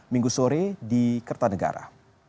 minggu sore di kertanegara